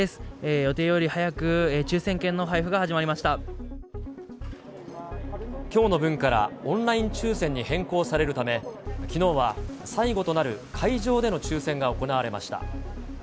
予定より早く、きょうの分からオンライン抽せんに変更されるため、きのうは最後となる会場での抽せんが行われました。